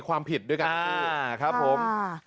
อ่าครับผม